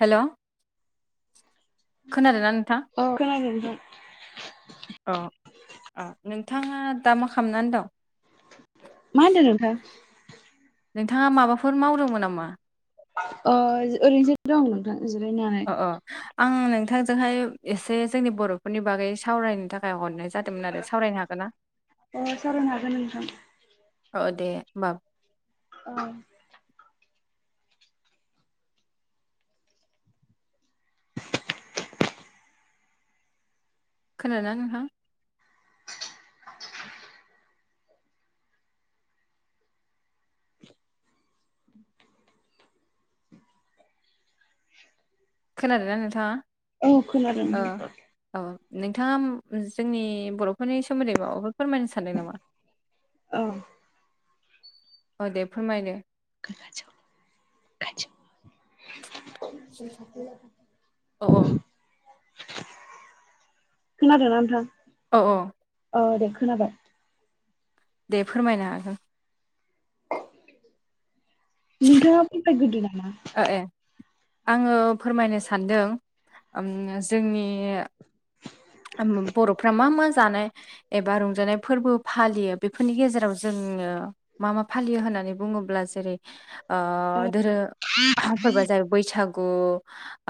हेल' खोनादोंना नोंथा अ खोनादों नोंथां अ अ नोंथाङा दा मा खालामनानै दं? मा होनदों नोंथां? नोंथाङा माबाफोर मावदोंमोन नामा? ओ ओरैनोसो दं नोंथां जिरायनानै अ अ आं नोंथांजोंहाय एसे जोंनि बर'फोरनि बागै सावरायनो था खाय हरनाय जादोंमोन आरो सावरायनो हागोन ना? अ सावरायनो हागोन नोंथां औ दे होमबा औ [inaudible] खोनादों ना नोंथां? खोनादोंना नोंथाङा औ खोनादों ओ औ नोंथाङा जोंनि बर'फोरनि सोमोन्दै माबाफोर फोरमायनो सानदों नामा औ औ दे फोरमायदे [unintelligible] [inaudible] औ खोनादोंना नोंथां औ औ औ दे खोनाबाय दे फोरमायनो हागोन नोंथाङा फोरमायग्रोदो नामा ए आङो फोरमायनो सान सान्दों उम जोंनि बर'फ्रा मा-मा जानाय एबा रंजानाय फोरबो फालियो बेफोरनि गेजेराव जों जोङो मा-मा फालियो होननानै बुङोब्ला जेरै ओ औ धोरो फोरबोया जाहैबाय बैसा गु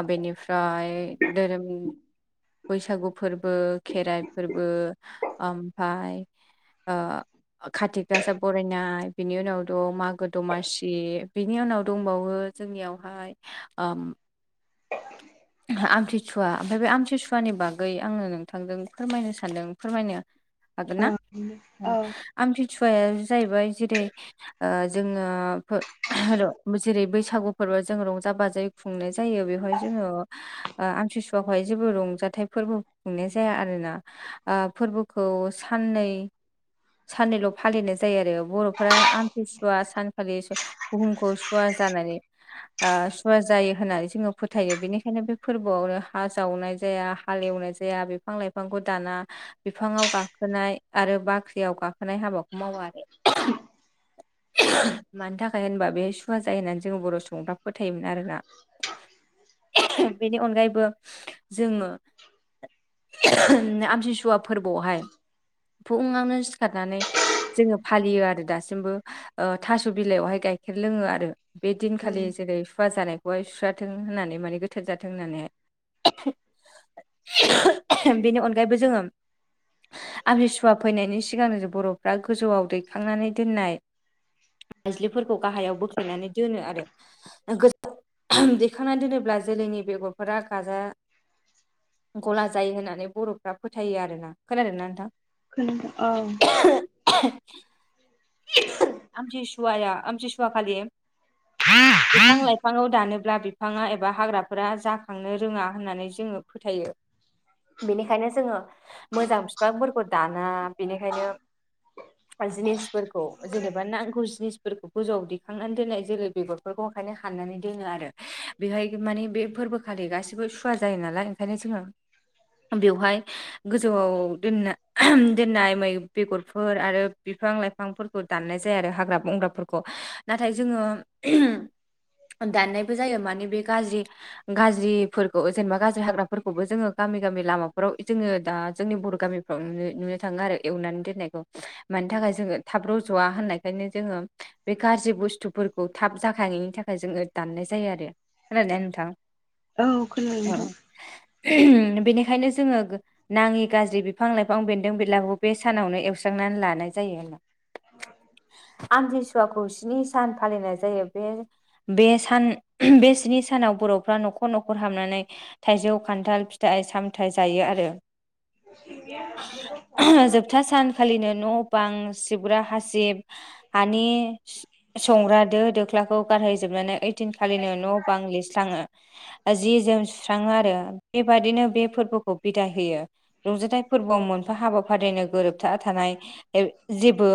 बेनिफ्राय धोरोम बैसागु फोरबो खेराइ फोरबो ओमफाय ओ काति गासा बरायनाय बिनि उनाव द' माग गो दमासि बिनि उनाव दंबावो जोंनियावहाय उम सिसुवानि बागै आङो नोंथांजों फोरमायनो सानदों फोरमायनो हागोनना उम औ औ आमथि सुवाया जाहैबाय जेरै ओ जोङो जेरै बैसा सागु फोरबो जों रंजा बाजायै खुंनाय जायो बेवहाय जोङो ओ आमथि सुवाखौहाय जेबो रंजाथाइ फोरबो खुंनाय जाया आरोना ओ फोरबोखौ साननै साननैल' फालिनाय जायो आरो बर'फोरा आमथि सुवा सानखालि बुहुमखौ सुवा जानानै ओ सुवा जायो होननानै जोङो फोथायो बेनिखायनो बे फोरबोआवनो हा जावनाय जाया हालेवनाय जाया बिफां लाइफांखौ दाना बिफाङाव गा गाखोनाय आरो बाख्रियाव गा खोनाय हाबाखौ मावा आरो मानि थाखाय होनबा बे सुवा जायो होननानै जोङो बर' सुबुंफ्रा फोथायोमोन आरोना बेनि अनगायैबो जोङो आमथि सुवा फोरबोआवहाय फुङावनो सिखारनानै जोङो फालियो आरो दासिमबो ओ थास' बिलायावहाय गाय गाइखेर लोङो आरो बे दिनखालि औ जेरै सुवा जानायखौहाय सुस्राथों होननानै माने गोथार जाथों होननानैहाय बेनि अनगायैबो जोङो आमथिसुवा फैनायनि सिगांनो जे बर'फ्रा गोजौआव दैखांनानै दोननाय [unintelligible] गाहायाव बोख्लायनानै दोनो आरो दैखांनानै दोनोब्ला जोलैनि बेगरफोरा गाजा गला जायो होननानै बर'फ्रा फोथायो आरोना खोनादोंना नोंथां खोनायाखै औ आसे सुव आसे सिुव खालि बिफां लाइफाङाव दानोब्ला बिफाङा एबा हाग्रा फोरा जाखांनो रोङा होननानै जोङो फोथायो बेनिखायनो जोङो मोजां बिफांफोरखौ दाना बेनिखायनो जिनिसफोरखौ जेनेबा नांगौ जि फसफोरखौ गोजौआव दिखांनानै दोननाय जोलै बेगरफोरखौ ओंखायनो हाननानै दोनो आरो बेहाय माने बे फोरबोखालि गासिबो सुवा जायो नालाय ओंखायनो जोङा बेवहाय गोजौआव दोनना दोननाय मै बेगरफोर आरो बिफां लाइफांफोरखौ दाननाय जाया आरो हाग्रा बंग्राफोरखौ नाथाय जोङो दाननायबो जायो माने बे गाज्रि गाज्रिफोरखौ जेनेबा गाज्रि हाग्राफोरखौबो जोङो गामि गामि लामाफोराव जोङो दा जोंनि बर' गामिफ्राव नुनो थाङो आरो एवनानै। दोननायखौ मानि थाखाय जोङो थाब रज'वा होननायखायनो जोङो बे गाज्रि बुस्थुफोरखौ थाब जाखायनायनि थाखाय जोङो दाननाय जायो। जायो आरो खोनादोंना नोंथां? औ खोनादों नोंथां औ बेनिखायनो जोङो नाङि गाज्रि बिफां लाइफां बिफां बेन्दों बेलाबो बे सानावनो एवस्रांनानै लानाय जायो होनब्ला। औ। आमथिसुवाखौ स्नि सान फालिनाय जायो बे सान बे स्नि सानाव बर'फ्रा न'खर न'खर हाबनानै थाइजौ खान्थाल फिथाइ सामथायाइ जायो आरो। सिबिय आ [unintelligible] खालिनो न' बां सिब ग्रा हासिब हानि संग्रा दो दोख्लाखौ गारहैजोबनानै ओयदिन खालिनो न' बां लिरस्लाङो। जि जोम सुस्राङो आरो बेबादिनो बे फोरबोखौ बिदाय होयो। रंजाथाइ फोरबोआव मोनफा हाबा आफादजों गोरोबथा थानाय जेबो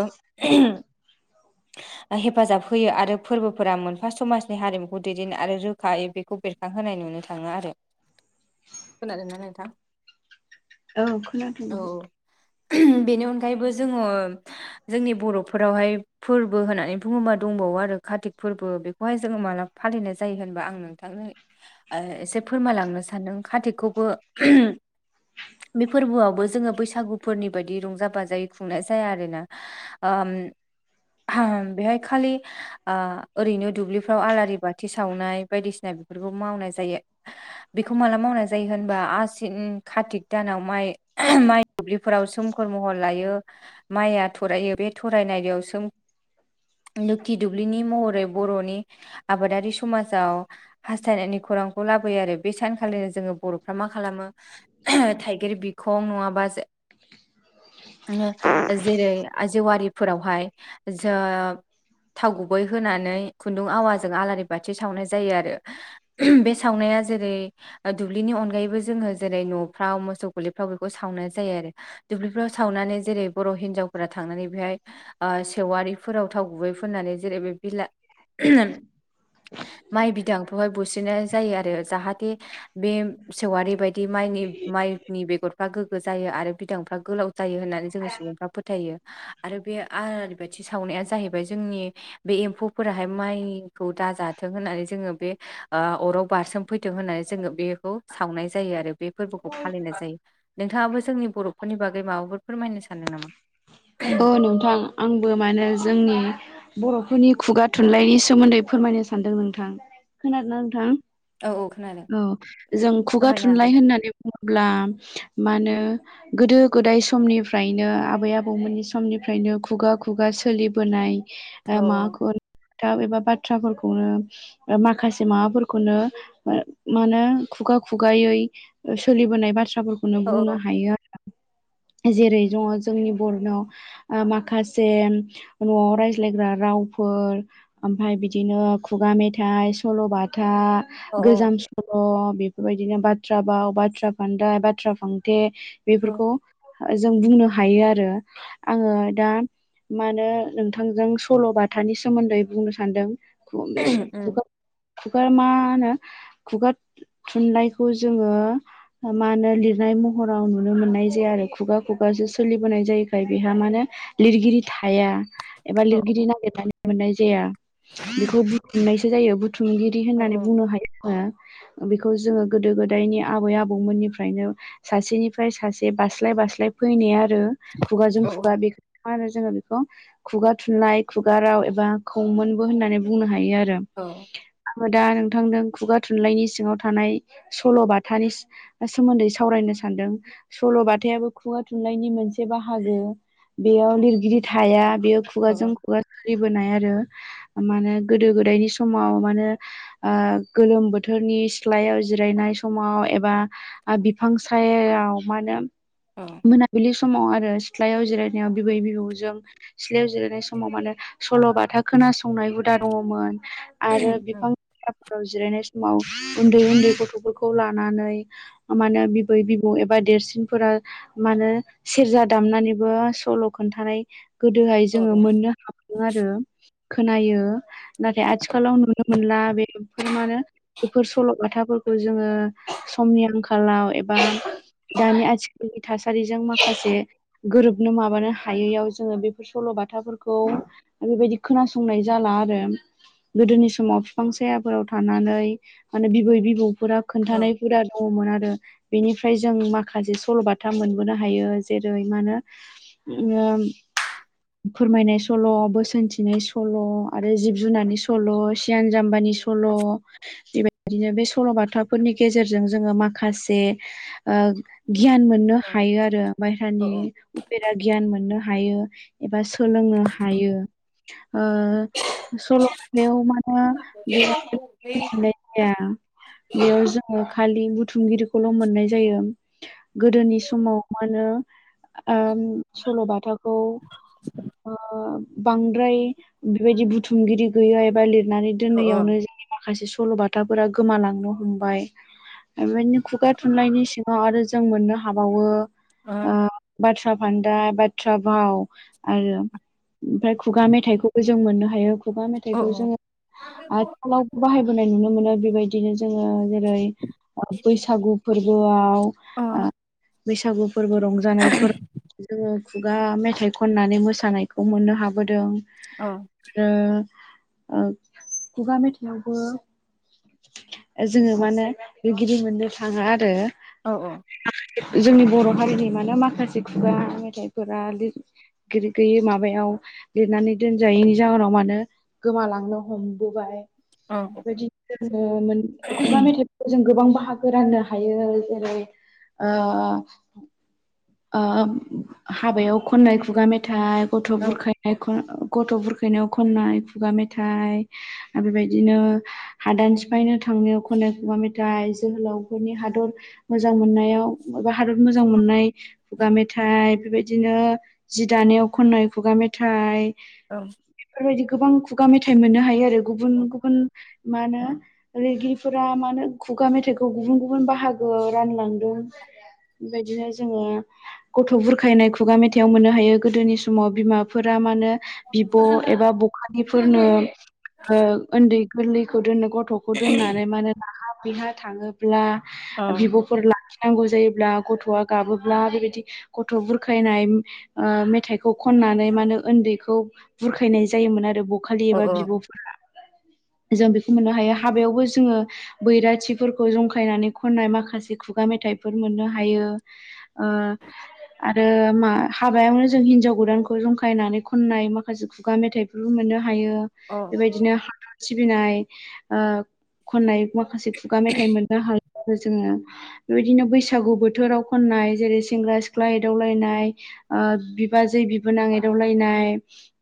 हेफाजाब होयो आरो फोरबोफोरा मोनफा समाजनि हारिमुखौ दैदेन आरो रोखायो बेखौ बेरखांहोनाय नुनो थाङो आरो। खोनादोंना नोंथां? औ खोनादों थ'। ओह बेनि अनगायैबो जोङो जोंनि बर'फोरावहाय फोरबो होननानै बुङोबा दंबावो आरो कारतिक फोरबो बेखौहाय जोङो माला फालिनाय जायो होनबा आं नोंथां। एसे फोरमायलांनो सानदों खा्तिकखौबो बे फोरबोआवबो जोङो बैसागुफोरनि बायदि रंजा बाजायै खुंनाय जाया आरोना। अहम बेहाय खालि ओ ओरैनो दुब्लिफ्राव आलारि बाथि सावनाय बायदिसिना बेफोरखौ मावनाय जायो। बेखौ माला मावनाय जायो होनबा आसिन कारतिक दानाव माइ माइ दुब्लिफोराव सोमखोर महर लायो माइया थरायो बे थरायनाययाव थों लोखि दुब्लिनि महरै बर'नि आबादारि समाजाव हास्थायनायनि खरां '- बिखौ लाबोयो आरो बे सानखालिनो जोङो बर'फ्रा मा खालामो थाइगेर बिखं नङाबा जे जेरै जेवारिफोरावहाय जानाय थाव थाव गुबै होनानै खुन्दुं आवाजों आलारि बाथि सावनाय जायो आरो। बे सावनाया दा जेरै दुब्लिनि अनगायैबो जोङो जेरै न'फ्राव मोसौ गोरलिफ्राव बेखौ सावनाय जायो आरो। दुब्लिफ्राव सावनानै जेरै बर' हिनजावफोरा थांनानै बेहाय जेवारिफोराव थाव गुबै फुननानै जेरै बे बिला माइ बिदांखौहाय बुस्रिनाय जायो आरो जाहाथे बे सेवआारिबायायदि माइनि माइनि बेगरफ्रा गोग्गो जायो आरो बिदांफ्रा गोलाव जायो होननानै जोङो सुबुंफ्रा फोथायो। आरो बे आलारि बाथि सावनाया जाहैबाय जोंनि बे एम्फौफोराहाय माइखौ दाजाथों होननानै जोङो बे अराव बारसोम फैथों होननानै जोङो बेखौ सावनाय जायो आरो बे फोरबोखौ फालिनाय जायो। नोंथाङाबो जोंनि बर'फोरनि बागै माबाफोर फोरमायनो सानदों नामा? औ नोंथां आंबो मानै जोंनि बर'फोरनि खुगा थुनलाइनि सोमोन्दै फोरमायनो सानदों नोंथां। खोनादोंना नोंथां? औ खोनादों औ जों खुगा फोरमायनो थुनलाइ हागोन होननानै बुङो ब्ला मा होनो गोदो गोदाय समनिफ्रायनो आबै आबौमोननि समनिफ्रायनो खुगा खुगा सोलिबोनाय औ माबाखौ थाब एबा बाथ्राफोरखौनो माखासे माबाफोरखौनो मा होनो खुगा खुगायै सोलिबोनाय बा थ्राफोरखौनो औ बुंनो हायो आरो जेरै दङ जोंनि बर'नाव माखासे न'आव रायज्लायग्रा रावफोर ओमफाय बिदिनो खुगा मेथाइ सल'बाथा औ गोजाम सल' बेफोरबायदिनो बाथ्रा बाव, बाथ्रा फान्दाय, बाथ्रा फांथे औ बेफोरखौ जों बुंनो हायो आरो आङो दा मा होनो नोंथांजों सल'बाथानि सोमोन्दै बुंनो सानदों उम [inaudible] खुगा मा होनो खुगा थुनलाइखौ जोङो मा होनो लिरनाय महराव नुनो मोननाय जाया आरो खुगा खुगासो सोलिबोनाय जायोखाय बेहा माने लिरगिरि थाया एबा औ औ लिरगिरि नागिरनानै मोननाय जाया बेखौ बुथुमनायसो जायो बुथुमगिरि औ होननानै बुंनो हायो बेखौ जोङो गोदो गोदायनि आबै आबौमोननिफ्रायनो सासेनिफ्राय सासे बास्लाय बास्लाय फैनाय आरो खुगाजों औ खुगा बेखौ आरो जोङो बेखौ खुगा थुनलाइ खुगा राव एबा खौमोनबो होननानै बुंनो हायो आरो औ दा नोंथांदों खुगा थुनलाइनि सिङाव थानाय सल'बाथानि सोमोन्दै सावरायनो सल' बाथायाबो खुगा थुनलाइनि मोनसे बा हागो बेयाव लिरगिरि थाया बेयाव औ खुगाजों खुगा फलिबोनाय आरो माने गोदो गोदायनि समाव माने आ, गोलोम बोथोर नि सिथलायाव जिरायनाय समाव एबा बिफां सायाव मा होनो औ मोनाबिलि समाव आरो सिथ्लायाव जिरायनायाव बिबै बिबौजों सिथ्लायाव जिरायनाय समाव माने सल' बाथा खोनासंनाय हुद दा दङमोन आरो बिफां जिरायनाय समाव उन्दै उन्दै गथ'फोरखौ लानानै मा होनो बिबै बिबौ एबा देरसिनफोरा मा होनो सेरजा दामनानैबो सल' खोन्थानाय गोदोहाय जोङो मोननो हाबोदों आरो खोनायो नाथाय आथिखालाव नुनो मोनला बेफोर मा होनो बेफोर सल'बाथाफोरखौ जोङो समनि आंखालाव एबा दानि आथिखालनि थासारिजों माखासे गोरोबनो माबानो हायैयाव जोङो बेफोर सल'बाथाफोरखौ बेबायदि खोनासंनाय जाला आरो गोदोनि समाव बिफां सायाफोराव थानानै माने बिबै बिबौ फोरा खोन्थानायफोराुरा दङमोन आरो बेनिफ्राय जों माखासे सल'बाथा मोनबोनो हायो जे रै मा होनो फोरमायनाय सल' बोसोनथिनाय सल' आरो जिब जुनारनि सल' सियान जाम्बानि सल' बेबायदिनो बे सल' बाथाफोरनि गेजेरजों जोङो माखासे गियान मोननो औ हायो आरो बायेरानि उफेरा गियान मोननो हायो एबा सोलोंनो हायो ओ सल'ायाव माने बेर मिथि जाया बेयाव ज खालि बुथुमगिरिखौल' मोननाय जायो गोदोनि समाव मो आं सल'बाथाखौ ओ बांद्राय बेबायदि बुथुमगिरि गैया एबा लिरनानै औ दोननायावनो ज माखासे सल'बाथाफोरा गोमालांनो हमबाय बेबायनो खुगा थुनलाइनि सिङाव आरो जों मोननो हाबावो बाथ्रा फान्दाय बाथ्रा भाव आरो ओमफाय खुगा मेथाइखौबो जों मोननो हायो। खुगा मेथाइखौ जोङो आथिखालाव बाहायबोनाय नुनो मोनो बेबायदिनो जो ङो जेरै बैसागु फोरबोआव ओ बैसागु फोरबो रंजानायफोर जोङो खुगा मेथाइ खननानै मोसानायखौ मोननो हाबोदों औ। आरो ओ खुगा मेथाइयावबो जोङो माने लिरगिरि मोननो थांङा आरो। औ औ। जोंनि बर' हारिनि मानो माखासे खुगा मेथाइफोरा लिथगिरि गोयै माबायाव लिरनानै दोनजायैनि जाहोनाव मानो गोमालांनो हमबोबाय। बेदिनो जोङो मोन खुगा मेथाइाव जों गोबां बाहागो राननो हायो जेरै ओ ओ हाबायाव खननाय खुगा मेथाइ गथ' बुरखायनाय खन गथ' बुरखैनायाव खननाय खुगा मेथाय ओ बेबायदिनो हादान सिफायनो थांनायाव खनाय खुगा मेथाइ जोहोलावफोरनि हादर मोजां मोननायाव बबेबा हादर मोजां मोननाय खुगा मेथाइ। बेबायदिनो जि दानायाव खननाय खुगा मेथाइ औ। बेफोरबायदि गोबां खुगा मेथाइ मोननो हायो आरो गुबुन गुबुन मा होनो लिरगिरिफोरा मा होनो खुगा मेथाइखौ गुबुन गुबुन बाहागो रानलांदों। बेबायदिनो जोङो गथ' बुरखायनाय खुगा मेथाइयाव मोननो हायो गोदोनि समाव बिमाफोरा मानो बिब' एबा बखालिफोरनो ओ उन्दै गोरलैखौ दोनो गथ'खौ दोननानै माने राहा बिहा थांङोब्ला बिब'फोर ला नांगौ जायोब्ला गथ'आ गाबो ब्ला बेबायदि गथ' बुरखायनाय ओ मेथाइखौ खननानै मानो उन्दैखौ बुरखायनाय जायोमोन आरो बखालि एबा बिब'फोरा। जों बेखौ मोननो हायो हाबायावबो जोङो बैराथिफोरखौ जंखायनानै खननाय माखासे खुगा मेथाइफोर मोननो हायो ओ आरो मा हाबायावनो जों हिनजाव गोदानखौ जंखायनानै खननाय माखासे खुगा मेथाइफोर मोननो हायो बेबायदिनो हादर सिबिनाय ओ खनाय माखासे खुगा मेथाइ मोननो हायो जोङो बेबायदिनो बैसागु बोथोराव खननाय जेरै सेंग्रा सिख्ला एदावलायनाय ओ बिबाजै बिबोनां एदावलायनाय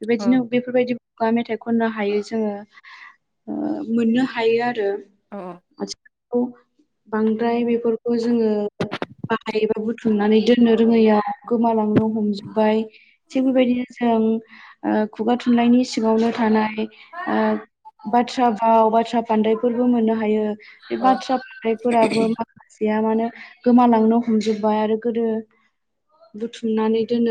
बेबायदिनो बेफोरबायदि खुगा मेथाइ खननो हायो जोङो ओ मोननो हायो आरो। अ। खौ बांद्राय बेफोरखौ जोङो बाहायोबा बुथुमनानै दोननो रोङैयाव गोमालांनो हमजोबबाय थिग बेबायदिनो जों ओ खुगा थुनलाइनि सिङावनो थानाय ओ बाथ्रा भाव बाथ्रा फानदायफोरबो मोननो हायो बे औ बाथ्रा फानदायफोराबो माखासे या मानो गोमालांनो हमजोबबाय आरो गोदो बुथुमनानै दोनो